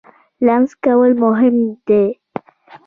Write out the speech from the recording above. لمس کول مهم دی.